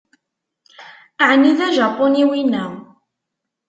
Ɛni d ajapuni wina?